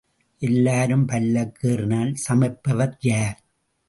எல்லாரும் பல்லக்கு ஏறினால் சுமப்பவர் யார்?